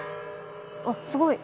あっすごい。